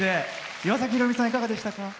岩崎宏美さん、いかがでしたか？